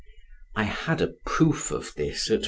I had a proof of this at M.